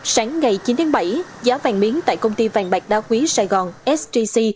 sáng ngày chín tháng bảy giá vàng miếng tại công ty vàng bạc đa quý sài gòn sgc